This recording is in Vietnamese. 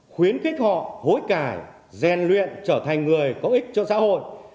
khuyến khích họ hối cài gian luyện trở thành người có ích cho xã hội